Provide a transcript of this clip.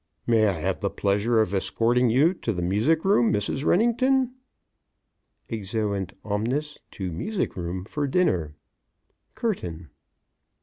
May I have the pleasure of escorting you to the music room, Mrs. Wrennington? (Exeunt omnes to music room for dinner) Curtain.